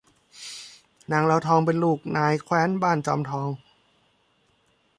นางลาวทองเป็นลูกนายแคว้นบ้านจอมทอง